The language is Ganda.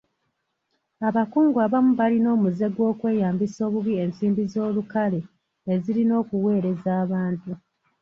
Abakungu abamu balina omuze gw'okweyambisa obubi ensimbi z'olukale ezirina okuweereza abantu.